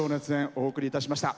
お送りいたしました。